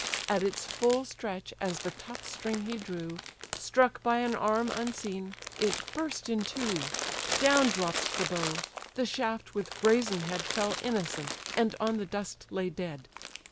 At its full stretch as the tough string he drew, Struck by an arm unseen, it burst in two; Down dropp'd the bow: the shaft with brazen head Fell innocent, and on the dust lay dead.